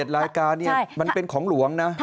รายการนี้มันเป็นของหลวงนะ